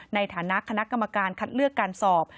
ในฐานะคณะกรรมการคัดเลือกการสอบ